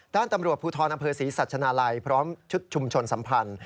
ด้านตำรวจภูทรอำเภอศรีสัชนาลัยพร้อมชุดชุมชนสัมพันธ์